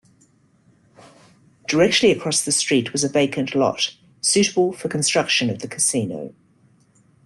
Directly across the street was a vacant lot, suitable for construction of the Casino.